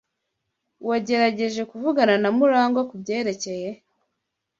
Wagerageje kuvugana na Murangwa kubyerekeye?